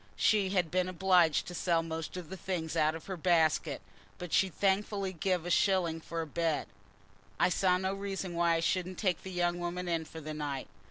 She had been obliged to sell most of the things out of her basket, but she'd thankfully give a shilling for a bed. I saw no reason why I shouldn't take the young woman in for the night.